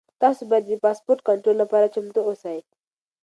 تاسو باید د پاسپورټ کنټرول لپاره چمتو اوسئ.